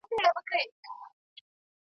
نه یې وېره د خالق نه د انسان وه .